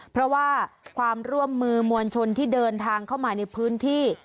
เพราะว่าความร่วมมือมวลชนที่เดินทางเข้ามาในพื้นที่